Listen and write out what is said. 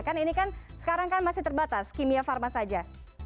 kan ini kan sekarang kan masih terbatas kimia pharma saja